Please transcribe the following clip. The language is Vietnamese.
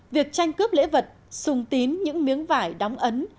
việc tranh cướp lễ vật sùng tín những miếng vải đóng ấn